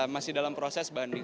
masih dalam proses banding